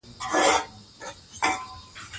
دا زموږ د ژوند ملګرې ده.